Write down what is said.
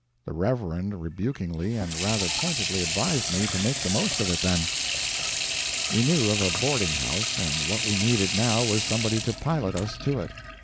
The Reverend rebukingly and rather pointedly advised me to make the most of it, then. We knew of a boarding house, and what we needed now was somebody to pilot us to it.